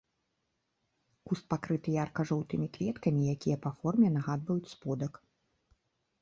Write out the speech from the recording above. Куст пакрыты ярка-жоўтымі кветкамі, якія па форме нагадваюць сподак.